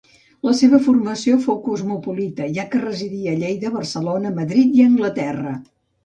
La seva formació fou cosmopolita, ja que residí a Lleida, Barcelona, Madrid i a Anglaterra.